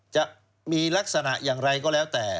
จะมีลักษณะอย่างไรก็แล้วแต่